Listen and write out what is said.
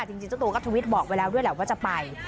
จริงเจ้าตัวก็ทวิตบอกไปแล้วด้วยแหละว่าจะไป